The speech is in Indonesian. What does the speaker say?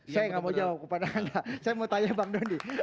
saya nggak mau jawab kepada anda saya mau tanya bang doni